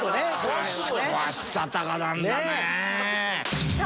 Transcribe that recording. さしこはしたたかなんだね。